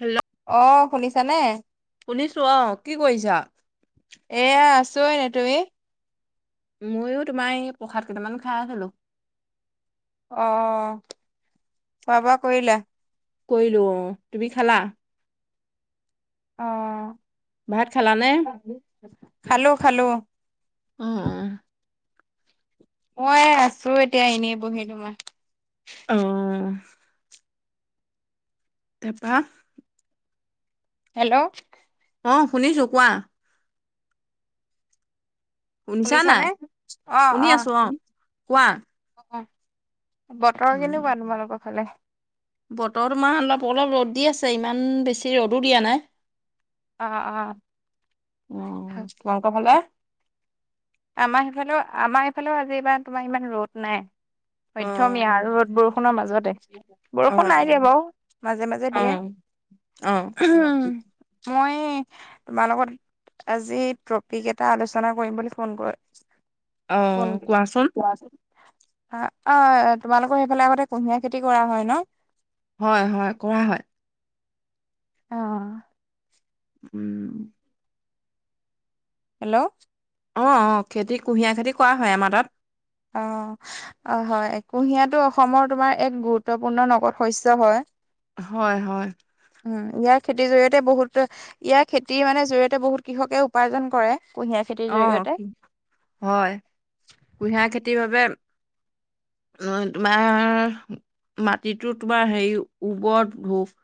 Hello অ শুনিছানে। শুনিছোঁ অ কি কৰিছা? এয়া আছো এনে তুমি? ময়ো তোমাৰ এই প্ৰসাদ কেইটামান খাই আছিলো। অ খোৱা বোৱা কৰিলা। কৰিলো অ তুমি খালা। অ ভাত খালানে খালো খালো অঁ অ মই আছো এতিয়া এনেই বহি তোমাৰ- অ সা হেল্ল' অঁ শুনিছোঁ কোৱা? শুনিছা নে অ শুনি অ আছো কোৱা অ বতৰ উম কেনেকুৱা তোমালোকৰ ফালে? বতৰ তোমাৰ অলপ অলপ ৰ'দ দি আছে। ইমান বেছি ৰ'দো দিয়া নাই। অ অ অ, তোমালোকৰ ফালে? আমাৰ সেইফালেও, আমাৰ ইফালেও আজিবাৰ তোমাৰ ইমান ৰ'দ নাই। অ মধ্যমীয়া আৰু ৰ'দ বৰষুণৰ মাজতে। অ বৰষুণ নাই দিয়া বাও। মাজে মাজে অ দিয়ে। অ। মই তোমাৰ লগত আজি ট্ৰপিক এটা আলোচনা কৰিম বুলি- ফোন কৰে। অ ফোন- কোৱাচোন আ অ, তোমালোকৰ সেইফালে আগতে কুঁহিয়াৰ খেতি কৰা হয় ন? হয় হয় কৰা হয়। অ। উম। হেল্ল' অ অ খেতি কুঁহিয়াৰ খেতি কৰা হয় আমাৰ তাত। অ, অ হয়, কুঁহিয়াৰটো অসমৰ তোমাৰ এক গুৰুত্বপূৰ্ণ নগদ শস্য হয়। হয় হয়। উম, ইয়াৰ খেতিৰ জৰিয়তে বহুতে- ইয়াৰ খেতিৰ মানে জৰিয়তে বহুত কৃষকে উপাৰ্জন কৰে কুঁহিয়াৰ। খেতিৰ অ জৰিয়তে কি হয়, কুঁহিয়াৰ খেতিৰ বাবে মই তোমাৰ, মাটিতো তোমাৰ হেৰি ওপৰত ভোক,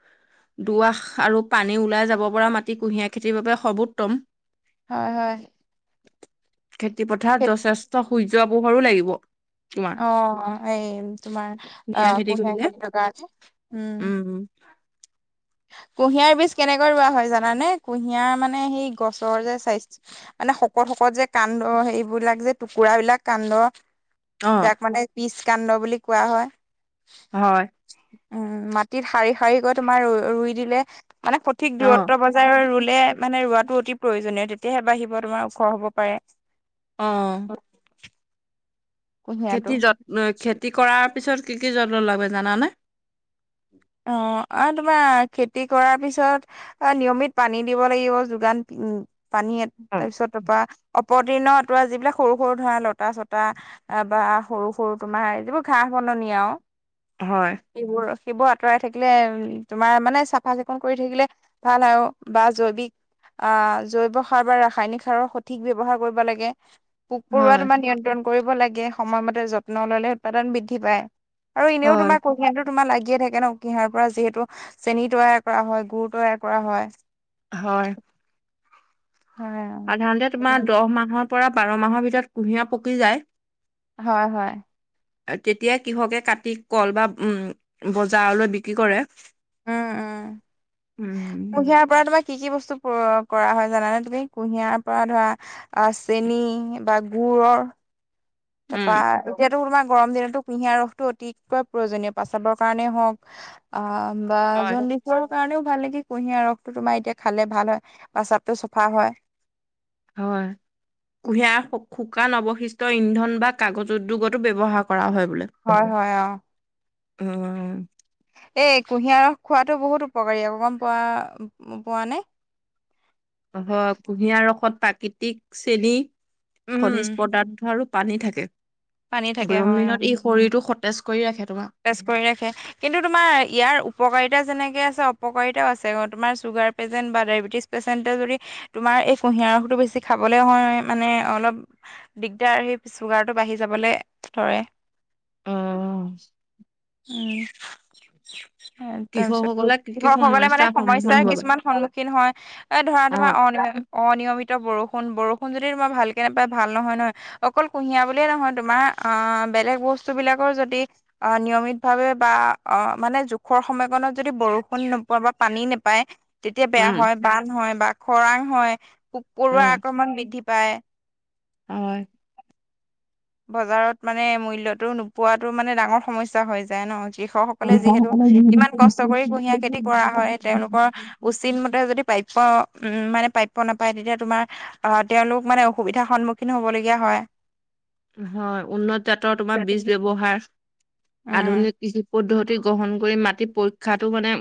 দুআশ আৰু পানী ওলাই যাব পৰা মাটি কুঁহিয়াৰ খেতিৰ বাবে সৰ্বোত্তম। হয় হয়। খেতি পথাৰত যথেষ্ট সূৰ্য পোহৰো লাগিব। তোমাৰ অ এই তোমাৰ অ খেতি কুঁহিয়াৰ কৰিলে খেতিটোৰ কাৰণে। উম। উম। কুঁহিয়াৰ বীজ কেনেকৈ ৰোৱা হয় জানানে? কুঁহিয়াৰ মানে সেই গছৰ যে চাইজ- মানে শকত শকত যে কান্দ সেইবিলাক যে টুকুৰাবিলাক কান্দ অ যাক মানে পিচ কাণ্ড বুলি কোৱা হয়। হয়। উম, মাটিত শাৰী শাৰীকৈ তোমাৰ ৰুই দিলে মানে সঠিক অ দূৰত্বত ব ৰুলে, মানে ৰোৱাটো অতি প্ৰয়োজনীয় তেতিয়াহে বাঢ়িব তোমাৰ ওখ হ'ব পাৰে। অ। কুঁহিয়াটো খেতি যত্ন খেতি কৰাৰ পিছত কি কি যত্ন লাগে জানানে? অ। আৰু তোমাৰ খেতি কৰাৰ পিছত- অ নিয়মিত পানী দিব লাগিব, যোগান পানী হয় তাৰপিছত- তাপা অপতীৰ্ণ তৰা যিবিলাক সৰু সৰু ধৰা লতা-চতা, বা সৰু সৰু তোমাৰ যিবোৰ ঘাঁহ বননি আৰু, হয়। সিবোৰ সিবোৰ- আঁতৰাই থাকিলে উম তোমাৰ মানে চাফা চিকুণ কৰি থাকিলে ভাল আৰু বা জৈৱিক, আহ জৈৱ সাৰ বা ৰাসায়নিক সাৰৰ সঠিক ব্যৱহাৰ কৰিব লাগে। পোক পৰুৱা তোমাৰ নিয়ন্ত্ৰণ কৰিব লাগে। সময়মতে যত্ন ললে উৎপাদন বৃদ্ধি পায়। আৰু এনেও হয় তোমাৰ কুহিয়াৰটো তোমাৰ লাগিয়ে থাকে ন। কুঁহিয়াৰ পৰা যিহেতু চেনি তৈয়াৰ কৰা হয় গুৰ তৈয়াৰ কৰা হয় হয় হয় সাধাৰণতে তোমাৰ দহ মাহৰ পৰা বাৰ মাহৰ ভিতৰত কুঁহিয়াৰ পকি যায় হয় হয় তেতিয়াই কৃষকে কাটি কল বা উম বজাৰলৈ বিক্ৰী কৰে উম উম উম কুঁহিয়াৰ পৰা তোমাক কি কি বস্তু ক কৰা হয় জানানে তুমি কুঁহিয়াৰ পৰা ধৰা আ চেনী বা গুৰৰ উম তাৰপা এতিয়াতো তোমাৰ গৰম দিনততো কুঁহিয়াৰ ৰসটো অতিকৈ প্ৰয়োজনীয় প্ৰস্ৰাবৰ কাৰণেই হওক অ বা হয় যত নি কৰ কাৰণেও ভাল নেকি কুঁহিয়াৰ ৰসটো তোমাৰ এতিয়া খালে ভাল হয় প্ৰস্ৰাৱটো চাফা হয় হয় কুঁহিয়াৰ শুকান অৱশিষ্ট ইন্ধন বা কাগজ উদ্যোগতো ব্যৱহাৰ কৰা হয় বোলে হয় হয় অ অ এই কুঁহিয়াৰ খোৱাতো বহুত উপকাৰী অকণমান পোৱা পোৱা নে অ কুঁহিয়াৰ ৰসত প্ৰাকৃতিক চেনী উম খনিজ পদাৰ্থ আৰু পানী থাকে পানী থাকে গৰম হয় দিনত ই শৰীৰটো সতেজ কৰি ৰাখে তোমাৰ সতেজ কৰি ৰাখে কিন্তু তোমাৰ ইয়াৰ উপকাৰিতা যেনেকে আছে অপকাৰিতাও আছে ক তোমাৰ চুগাৰ পেচেণ্ট বা ডায়েবেটিছ পেচেণ্টে যদি তোমাৰ এই কুঁহিয়াৰ ৰসটো বেছি খাবলে হয় মানে অলপ দিগদাৰ সেই চুগাৰটো বাঢ়ি যাবলৈ ধৰে অ [unintelligible] তাৰ পিছত কৃষকসকলে কি কি কৃষকসকলে মানে সমস্যাৰ সন্মুখীন সমস্যাৰ হ'ব পাৰে কিছুমান সন্মুখীন হয় এ ধৰা অ তোমাৰ অনিয়ম অনিয়মিত বৰষুণ বৰষুণ যদি তোমাৰ ভালকে নাপায় ভাল নহয় নহয় অকল কুঁহিয়া বুলিয়ে নহয় তোমাৰ অ বেলেগ বস্তু বিলাকৰ যদি অ নিয়মিত ভাৱে বা অ মানে জোখৰ সময়কণত যদি বৰষুণ নোপোৱা বা পানী নেপায় তেতিয়া বেয়া উম হয় বান হয় বা খৰাং হয় পোক পৰুৱা উম আক্ৰমণ বৃদ্ধি পায় হয় বজাৰত মানে মূল্যতো নোপোৱাতো মানে ডাঙৰ সমস্যা হৈ যায় ন কৃষক সকলে যিহেতু ইমান কষ্ট কৰি কুঁহিয়াৰ খেতি কৰা হয় তেওঁলোকৰ উ চিত মতে যদি প্ৰাপ্য উম মানে প্ৰাপ্য নাপায় তেতিয়া তোমাৰ অ তেওঁলোক মানে অসুবিধাৰ সন্মুখীন হবলগীয়া হয় হয় উন্নত জাতৰ তোমাৰ বীজ ব্যৱহাৰ উম আধুনিক কৃষি পদ্ধতি গ্ৰহণ কৰি মাটি পৰীক্ষাতো মানে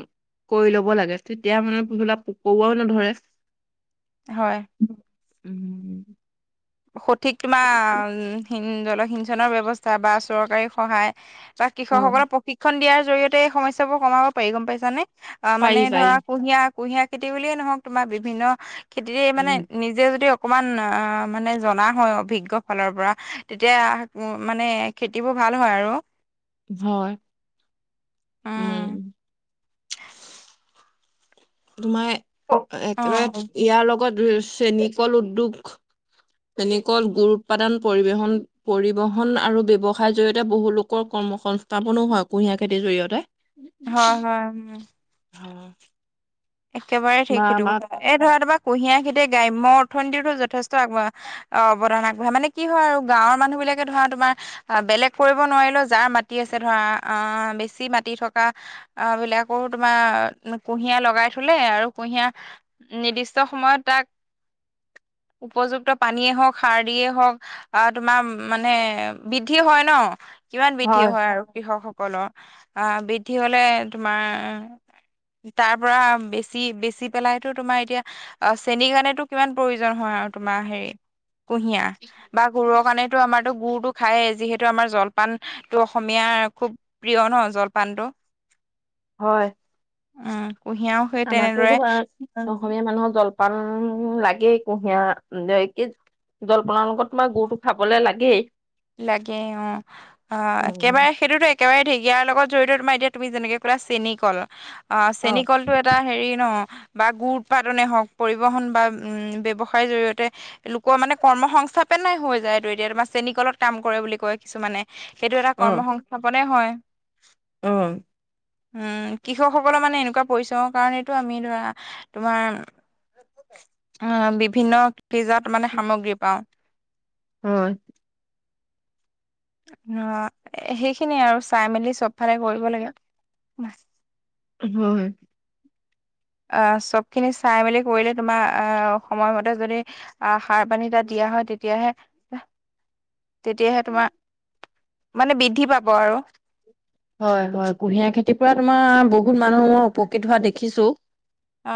কৰি লব লাগে তেতিয়া মানে এইবিলাক পোক পৰুৱাও নধৰে হয় উম হম সঠিক তুমি [unintelligible] উম উম জলসিঞ্চনৰ ব্যৱস্থা বা চৰকাৰী সহায় ত অ', কৃষকসকলক প্ৰশিক্ষণ দিয়াৰ জৰিয়তে এই সমস্যাবোৰ কমাব পাৰি গম পাইছানে আহ মানে পাৰি পাৰি, ধৰক কুঁহিয়াৰ - কুঁহিয়াৰ খেতি বুলিয়ে নহওক তোমাৰ বিভিন্ন খেতিৰে মানে উম, নিজে যদি অকমান আ মানে জনা হয় অভিজ্ঞ ফালৰ পৰা তেতিয়া উ মানে খেতিবোৰ ভাল হয় আৰু। হয়, উম। তোমাৰ অ' একেবাৰে ইয়াৰ লগত ধৰি চেনিকল উদ্যোগ চেনেকল, গুৰ উৎপাদন পৰিবেহন পৰিবহন আৰু ব্যৱসায় জৰি়য়তে বহু লোকৰ কৰ্ম সংস্থাপনো হয় কুঁহিয়াৰ খেতিৰ জৰিয়তে। হয় হয় উম। হয়। একেবাৰে ঠিক সেইটো কথা এই ধৰা তোমাৰ কুঁহিয়াৰ খেতিয়ে গ্ৰাম্য অৰ্থনীতিতো যথেষ্ট আগবঢ়া অ অৱদান আগবঢ়াই মানে কি হয় আৰু গাঁৱৰ মানুহবিলাকে ধৰা তোমাৰ আহ বেলেগ কৰিব নোৱাৰিলেও যাৰ মাটি আছে ধৰা, আহ বেছি মাটি থকা আহবিলাকো তোমাৰ কুঁহিয়াৰ লগাই থ থুলে আৰু কুঁহিয়াৰ নিৰ্দিষ্ট সময়ত তাক উপযুক্ত পানীয়ে হওক, সাৰ দিয়ে হওক আহ তোমাৰ মানে বৃদ্ধি হয় ন? কিমান বৃদ্ধি হয় আৰু কৃষকসকলৰ? আ বৃদ্ধি হলে তোমাৰ তাৰ পৰা বেছি - বেছি পেলাইতো তোমাৰ এতিয়া অ চেনী কাৰণেতো কিমান প্ৰয়োজন হয় আৰু তোমাৰ হেৰি কুঁহিয়াৰ বা গুৰৰ কাৰনে এইটো আমাৰ টো গুৰটো খাই যিহেতু আমাৰ জলপানটো অসমীয়াৰ খুব প্ৰিয় ন জলপানটো। হয়। উম, কুঁহিয়াৰো সেই আমাৰতো তেনেদৰে অসমীয়া মানুহক জলপান লাগেই কুঁহিয়াৰৰ যে কি জলপানৰ লগত তোমাৰ গুৰটো খাবলৈ লাগেই। লাগে অ, অ একেবাৰে সেইটোতো এ কেবাৰে ঢেকীয়াৰ লগত জড়িত তোমাৰ এতিয়া তুমি যেনেকে কলা চেনীকল অ চেনি কলটো এটা হেৰি ন বা গুৰ উৎপাদনে হওক, পৰিবহণ বা উম ব্যৱসায়ৰ জৰিয়তে লোকৰ মানে কৰ্ম সংস্থাপেনাই হৈ যায়টো এতিয়া তোমাৰ চেনীকলত কাম কৰে বুলি কয় কিছুমানে সেইটো এটা কৰ্ম সংস্থাপনে হয়। অ। উম কৃষকসকলৰ মানে এনেকুৱা পৰিশ্ৰমৰ কাৰণেতো আমি ধৰা তোমাৰ অ বিভিন্ন পিজাত মানে সামগ্ৰী পাওঁ। হয়। অ, সেইখিনি আৰু চাই মেলি চবফালে কৰিব লাগে বাচ। হয়' হয়। আহ চবখিনি চাই মেলি কৰিলে তোমাৰ আহ সময়মতে যদি আহ সাৰ, পানী তাত দিয়া হয় তেতিয়াহে [inaudible] তেতিয়াহে তোমাৰ মানে বৃদ্ধি পাব আৰু। হয়' হয়', কুঁহিয়াৰ খেতিৰ পৰা তোমাৰ বহুত মানুহ মই উপকৃত হোৱা দেখিছো। অ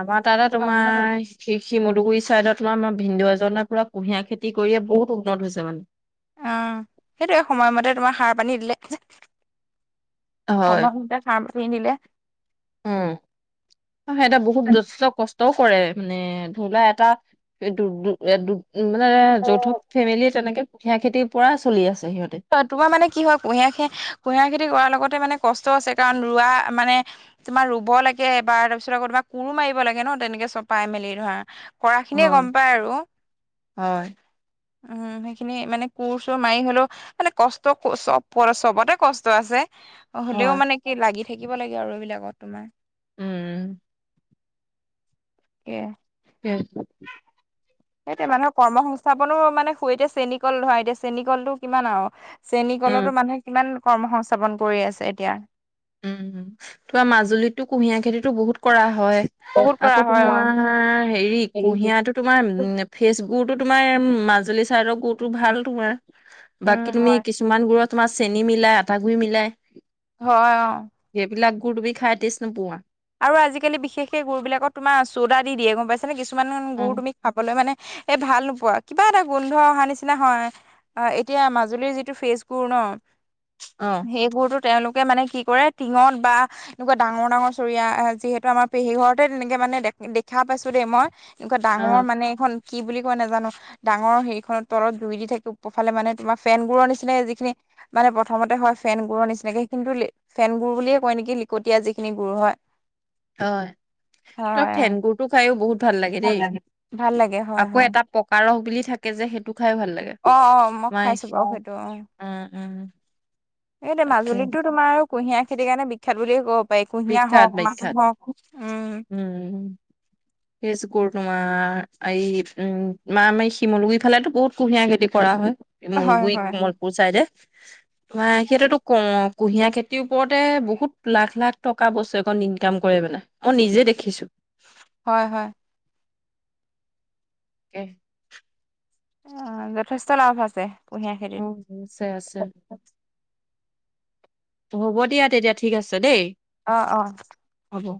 আমাৰ তাৰে তোমাৰ শি শিমদুগুৰি ছাইদত তোমাৰ আমাৰ ভিনদেও এজনৰ পুৰা কুঁহিয়াৰ খেতি কৰিয়ে বহুত উন্নত হৈছে মানে। অ', সেইটোয়ে সময়মতে তোমাৰ সাৰ - পানী দিলে যে। হয়, সাৰ পানী দিলে উম, সিহঁতে বহুত যথেষ্ট কষ্টও কৰে, মানে ধৰিলোৱা এটা দু, মানে যৌথক ফেমিলীয়ে তেনেকে কুহিয়াৰ খেতিৰ পৰা চলি আছে, সিহঁতে। তোমাৰ মানে কি হয়, কুঁহিয়াৰ খে, কুঁহিয়াৰ খেতি কৰাৰ লগতে মানে কষ্ট আছে, কাৰণ ৰোৱা মানে তোমাৰ ৰুব লাগে এবাৰ, তাৰপিছত আকৌ তোমাৰ কোৰো, মাৰিব লাগে ন, তেনেকে চপাই মেলি ধৰা। কৰা খিনিয়ে গম হয়। পায়, আৰু। হয় উম, সেইখিনি মানে কোৰ-চোৰ মাৰি হ'লেও মানে কষ্ট চ'ব, চবতে কষ্ট আছে। হ'লেও হয় মানে সেই লাগি থাকিব লাগে আৰু, এইবিলাকত তোমাৰ। উম, [unintelligible] [inaudible] এয়া মানুহৰ কৰ্ম সংস্থাপনো মানে হুতে, এতিয়া চেনী কল ধৰা এতিয়া চেনী কলটো কিমান আৰু। চেনী, উম কলতো মানুহে কিমান কৰ্ম সংস্থাপন কৰি আছে এতিয়া। উম, তোমাৰ মাজুলীতটো কুঁহিয়াৰ খেতিতো বহুত কৰা হয়। বহুত কৰা আকৌ, হয় অ', তোমাৰ হেৰি কুঁহিয়াটো তোমাৰ ফেচ গুৰতো, তোমাৰ মাজুলী চাইদৰ গুৰতো ভাল তোমাৰ। উম বাকী তুমি হয়। কিছুমান গুৰত তোমাৰ চেনি মিলাই, আটা গুৰি মিলাই। হয়, অ, সেইবিলাক, গুৰ তুমি খাই টেচ নোপোৱা। আৰু আজিকালি বিশেষকে গুৰ বিলাকত তোমাৰ চ'দা দি দিয়ে গম পাইছ নে, কিছুমান অ গুৰ তুমি খাবলৈ মানে এই ভাল নোপোৱা, কিবা এটা গোন্ধ অহা নিচিনা হয়। অ, এতিয়া মাজুলীৰ যিটো ফ্ৰেচ গুৰ ন, অ, সেই গুৰটো তেওঁলোকে মানে কি কৰে, টিঙত বা এনেকুৱা ডাঙৰ, ডাঙৰ চৰিয়া যিহেতু আমাৰ পেহী ঘৰতে তেনেকে মানে দে, দেখা পাইছো দেই মই। এনেকুৱা ডাঙৰ মানে, এখন কি বুলি কয় নাজানো। ডাঙৰ হেৰিখনৰ তলত জুই দি থাকি, ওপৰৰ ফালে মানে তোমাৰ ফেনবোৰৰ নিচিনা যিখিনি মানে প্ৰথমতে হয়, ফেন গুৰৰ নিচিনাকে কিন্তু ফেন গুৰু বুলিয়ে কয় নেকি, লিকটীয়া যিখিনি গুৰু হয়। হয়, তোমাৰ হয় অ ফেন গুৰটো খাই বহুত ভাল লাগে দেই, ভাল লাগে হয় আকৌ হয় এটা পকা ৰস বুলি থাকে যে, সেইটো খাই ভাল লাগে। অ, অ, মই মাই খাইছো বাৰু সেইটো অ, উম, উম, এই তাকে মাজুলীতো তোমাৰ আৰু কুঁহিয়াৰ খেতি কাৰণে বিখ্যাত বুলিয কব পাৰি, কুঁহিয়া বিখ্যাত হ'ওক মানহ বিখ্যাত হ'ওক। উম, উম, ফেচ গুৰ তোমাৰ, এই উম, মা, এই শিমলুগুৰি ফালেতো বহুত কুঁহিয়াৰ খেতি কৰা হয়। মৰগুৰি কমলপুৰ চাইদে, ম, সিইটোয়েটো কও কুঁহিয়াৰ খেতিৰ ওপৰতে, বহুত লাখ, লাখ টকা বছৰেকত ইনকাম কৰে মানে। মই নিজে দেখিছো। হয়, হয়। [inaudible] অ, যথেষ্ট লাভ আছে। কুঁহিয়াৰ খেতিত উম, আছে আছে। হ'ব দিয়া, তেতিয়া ঠিক আছে দেই। অ অ হ'ব।